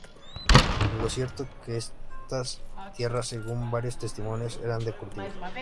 Lo cierto es que estas tierras, según varios testimonios, eran de cultivo.